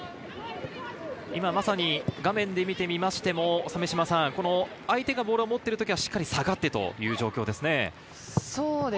画面で見ても、相手がボールを持っている時は、しっかり下がってという状況ですね。